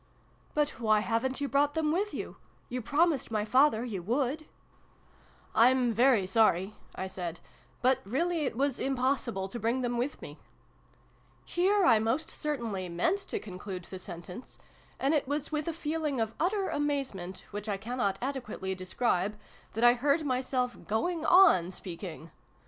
" But why haven't you brought them with you ? You promised my father you would" K 130 SYLVIE AND BRUNO CONCLUDED. " I'm very sorry," I said ;" but really it was impossible to bring them with me." Here I most certainly meant to conclude the sentence: and it was with a feeling of utter amazement, which I cannot adequately describe, that I heard myself going on speaking.